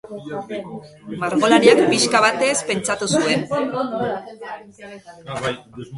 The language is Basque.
Margolariak pixka batez pentsatu zuen.